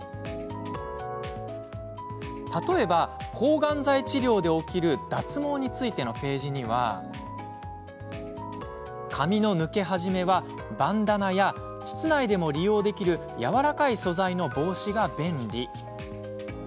例えば、抗がん剤治療で起きる脱毛についてのページには髪の抜け始めはバンダナや室内でも利用できるやわらかい素材の帽子が便利。